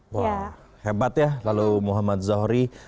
wah hebat ya lalu muhammad zohri